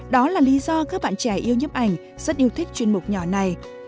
đó là lý do các bạn trẻ yêu nhấp ảnh rất yêu thích chuyên mục nhỏ này